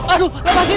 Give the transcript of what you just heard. aduh lepas nek